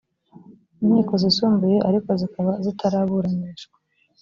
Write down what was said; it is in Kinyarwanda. inkiko zisumbuye ariko zikaba zitaraburanishwa